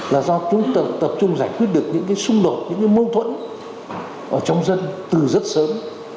là do chúng ta tập trung giải quyết được những cái xung đột những cái mâu thuẫn ở trong dân từ rất sớm